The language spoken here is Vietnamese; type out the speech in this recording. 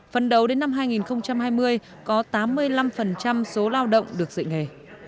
phân đấu đến năm hai nghìn hai mươi có tám mươi năm số lao động được dạy nghề